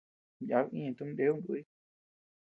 Yabi iña tumin nee nukuy.